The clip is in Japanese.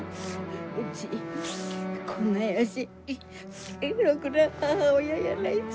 うちこんなやしろくな母親やないし。